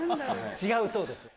違うそうです。